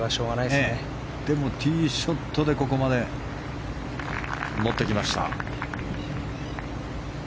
でもティーショットでここまで持ってきました。